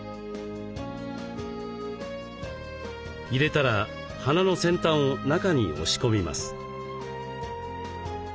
入れたら花の先端を中に押し込みます。